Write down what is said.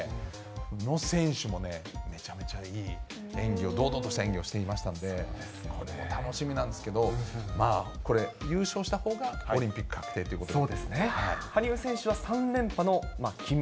宇野選手もね、めちゃめちゃいい、堂々とした演技をしていましたので、これ、楽しみなんですけど、まあこれ、優勝したほうがオリンピック確定ということで。